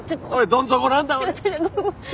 どん底なんだ俺。